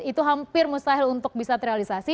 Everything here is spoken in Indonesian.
itu hampir mustahil untuk bisa terrealisasi